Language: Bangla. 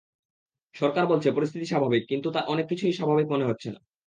সরকার বলছে পরিস্থিতি স্বাভাবিক, কিন্তু তাঁর অনেক কিছুই স্বাভাবিক মনে হচ্ছে না।